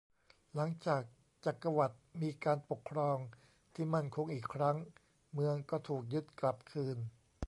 หลังจากจักรวรรดิมีการปกครองที่มั่นคงอีกครั้ง เมืองก็ถูกยึดกลับคืน